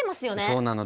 そうなの。